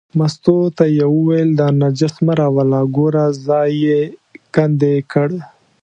مستو ته یې وویل دا نجس مه راوله، ګوره ځای یې کندې کړ.